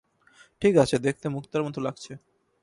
ঠিক আছে, দেখতে মুক্তার মতো লাগছে।